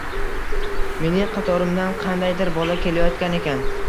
Mening qatorimdan qandaydir bola kelayotgan ekan.